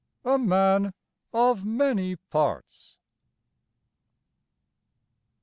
. A man of many parts!